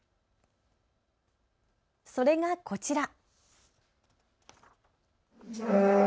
それが、こちら。